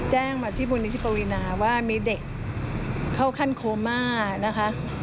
แจ้งมาที่มูลนิธิปวีนาว่ามีเด็กเข้าขั้นโคม่านะคะ